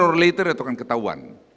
or later itu kan ketahuan